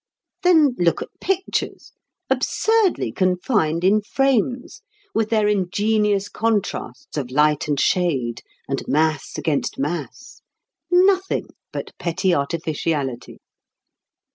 Then look at pictures, absurdly confined in frames, with their ingenious contrasts of light and shade and mass against mass. Nothing but petty artificiality!